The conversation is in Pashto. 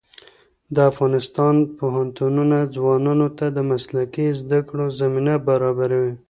د افغانستان پوهنتونونه ځوانانو ته د مسلکي زده کړو زمینه برابروي.